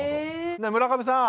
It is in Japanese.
村上さん。